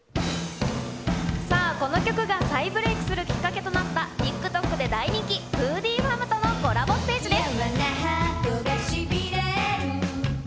さあ、この曲が再ブレイクするきっかけとなった、ＴｉｋＴｏｋで大人気、フーディファムとのコラボステージです。